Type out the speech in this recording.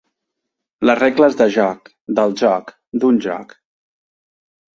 Les regles de joc, del joc, d'un joc.